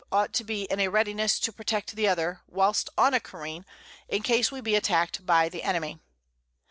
_] _ought to be in a Readiness to protect the other, whilst on a Careen, in case we be attack'd by the Enemy.